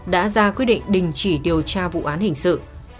đã ra quyết định đình chỉ điều tra vụ án hình sự